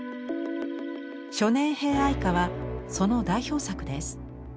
「初年兵哀歌」はその代表作です。